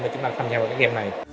để chúng ta tham gia vào cái game này